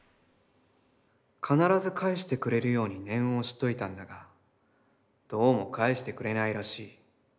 「必ず返してくれるように念を押しておいたんだが、どうも返してくれないらしい。